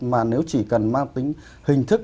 mà nếu chỉ cần mang tính hình thức